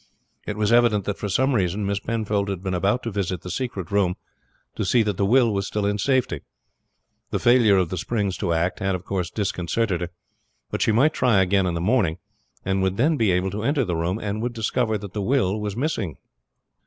It was evident that for some reason Miss Penfold had been about to visit the secret room to see that the will was still in safety. The failure of the springs to act had, of course, disconcerted her; but she might try again in the morning, and would then be able to enter the room, and would discover that the will was missing.